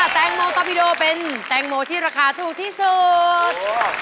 แตงโมตอบิโดเป็นแตงโมที่ราคาถูกที่สุด